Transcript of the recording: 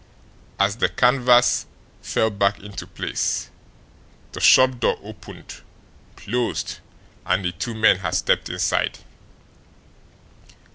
As the canvas fell back into place, the shop door opened, closed, and the two men had stepped inside.